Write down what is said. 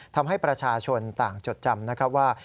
ทำให้ประชาชนต่างจดจำนะครับว่า